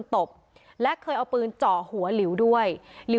ในอำเภอศรีมหาโพธิ์จังหวัดปลาจีนบุรี